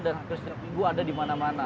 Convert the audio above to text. dan kristal pigu ada di mana mana